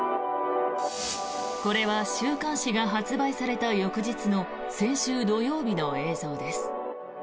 これは週刊誌が発売された翌日の先週土曜日の映像です。